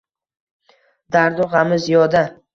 Dardu g’ami — ziyoda